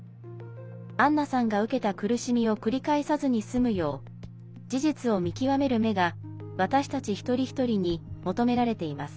アンナさんが受けた苦しみを繰り返さずに済むよう事実を見極める目が私たち一人一人に求められています。